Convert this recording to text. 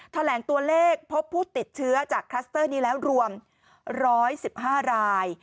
แถลงตัวเลขพบผู้ติดเชื้อจากคลัสเตอร์นี้แล้วรวม๑๑๕ราย